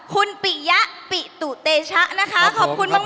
คุณปิยะปิตุเตชะนะคะขอบคุณมาก